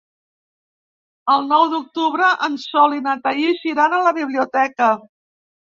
El nou d'octubre en Sol i na Thaís iran a la biblioteca.